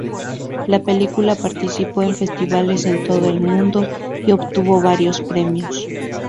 La película participó en festivales en todo el mundo y obtuvo varios premios.